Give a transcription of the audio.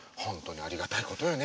ありがたいことよね